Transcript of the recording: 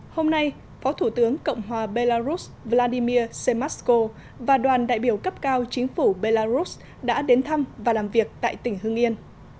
hôm nay phó thủ tướng cộng hòa belarus vladimir semesko và đoàn đại biểu cấp cao chính phủ belarus đã đến thăm và làm việc tại tỉnh hương yên